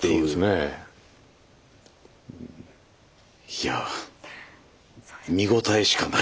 いや見応えしかないですよね。